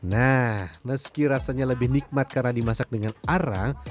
nah meski rasanya lebih nikmat karena dimasak dengan arang